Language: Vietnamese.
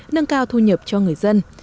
nâng cao thu nhập cho người dân